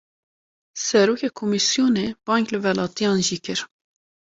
Serokê komîsyonê, bang li welatiyan jî kir